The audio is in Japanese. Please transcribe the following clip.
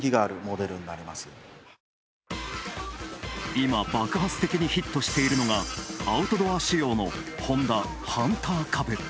今、爆発的にヒットしているのがアウトドア仕様のホンダ、ハンターカブ。